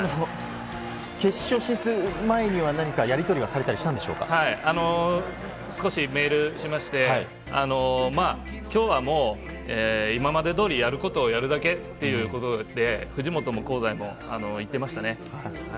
決勝進出前に何かやり取りは少しメールしまして、今日はもう今まで通り、やることをやるだけっていうことで藤本も香西も言っていましたね。